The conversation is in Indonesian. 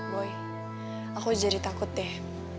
boy aku jadi takut deh